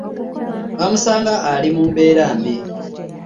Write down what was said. Bamusanga ali mu mbeera mbi.